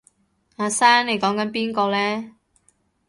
阿生你講緊邊個呢？